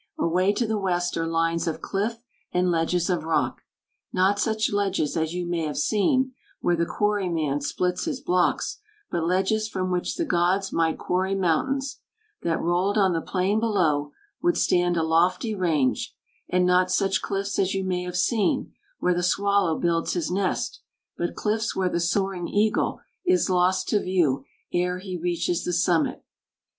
Away to the west are lines of cliff and ledges of rock not such ledges as you may have seen, where the quarry man splits his blocks, but ledges from which the gods might quarry mountains, that, rolled on the plain below, would stand a lofty range; and not such cliffs as you may have seen, where the swallow builds his nest, but cliffs where the soaring eagle is lost to view ere he reaches the summit.